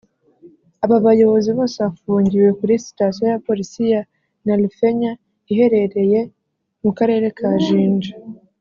Aba bayobozi bose bafungiwe kuri Sitasiyo ya Polisi ya Nalufenya iherereye mu Karere ka Jinja